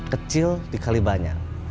kecil dikali banyak